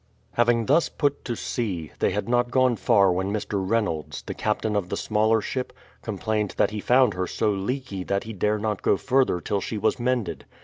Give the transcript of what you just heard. Having thus put to sea, they had not gone far when Mr. Reynolds, the captain of the smaller ship, complained that he found her so leaky that he dare not go further till she was mended.